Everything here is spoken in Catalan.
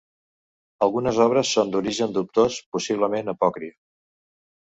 Algunes obres són d'origen dubtós, possiblement apòcrif.